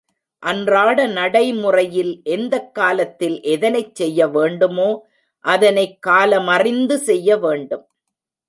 அன்றாட நடைமுறையில் எந்தக் காலத்தில் எதனைச் செய்யவேண்டுமோ அதனைக் காலமறிந்து செய்ய வேண்டும்.